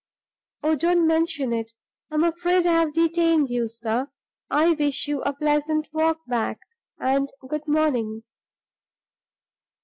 Oh, don't mention it! I'm afraid I have detained you, sir. I wish you a pleasant walk back, and good morning."